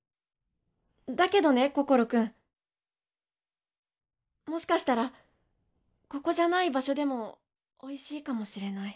だけどね心くんもしかしたらここじゃない場所でもおいしいかもしれない。